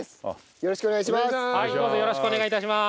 よろしくお願いします。